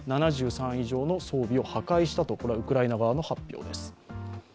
７３以上の装備を破壊したとウクライナ側の発表です。